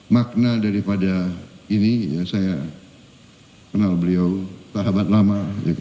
makna daripada ini saya kenal beliau sahabat lama